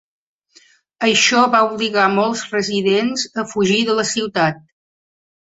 Això va obligar molts residents a fugir de la ciutat.